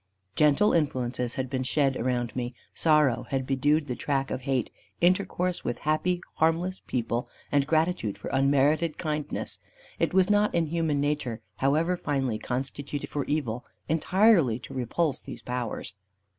Gentle influences had been shed around me, sorrow had bedewed the track of hate, intercourse with happy harmless people, and gratitude for unmerited kindness; it was not in human nature, however finely constitute for evil, entirely to repulse these powers.